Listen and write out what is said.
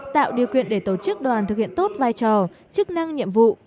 tạo điều kiện để tổ chức đoàn thực hiện tốt vai trò chức năng nhiệm vụ